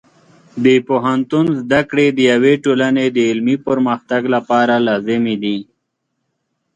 د پوهنتون زده کړې د یوې ټولنې د علمي پرمختګ لپاره لازمي دي.